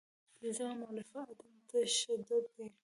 پنځمه مولفه عدم تشدد دی.